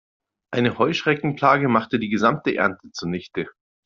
Eine Heuschreckenplage machte die gesamte Ernte zunichte.